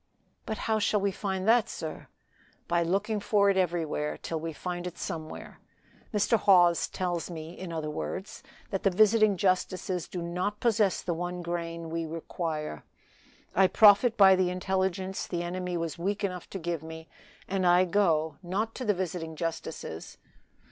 "But how shall we find that, sir?" "By looking for it everywhere, till we find it somewhere. Mr. Hawes tells me, in other words, that the visiting justices do not possess the one grain we require. I profit by the intelligence the enemy was weak enough to give me, and I go not to the visiting justices.